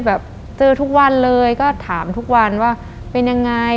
แบบเจอทุกวันเลยก็ถามทุกวันว่าเป็นยังไง